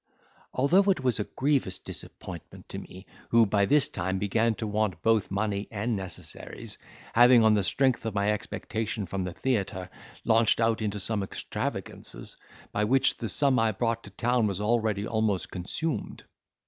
Although it was a grievous disappointment to me, who, by this time, began to want both money and necessaries; having on the strength of my expectation from the theatre, launched out into some extravagances, by which the sum I brought to town was already almost consumed.